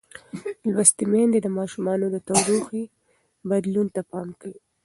لوستې میندې د ماشومانو د تودوخې بدلون ته پام کوي.